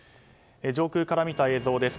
上空から見た映像です。